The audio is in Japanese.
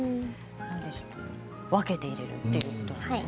分けて入れるということですね。